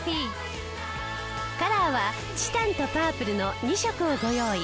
カラーはチタンとパープルの２色をご用意。